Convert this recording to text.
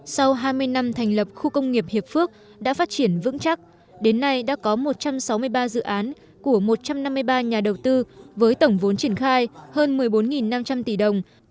sau hai mươi năm thành lập khu công nghiệp hiệp phước đã phát triển vững chắc đến nay đã có một trăm sáu mươi ba dự án của một trăm năm mươi ba nhà đầu tư với tổng vốn triển khai hơn một mươi bốn năm trăm linh tỷ đồng